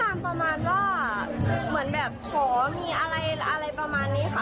ผู้คามประมาณว่าเหมือนแบบขอมีอะไรประมาณนี้ค่ะ